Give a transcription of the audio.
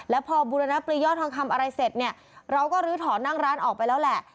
แล้วพอบุรณปลียอดทองคำอะไรเสร็จเนี่ยเราก็ลื้อถอนนั่งร้านออกไปแล้วแหละ